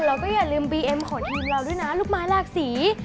อย่าลืมบีเอ็มของทีมเราด้วยนะลูกไม้หลากสี